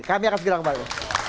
kami akan segera kembali